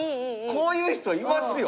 こういう人いますよ。